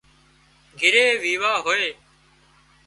گھري ويوا هوئي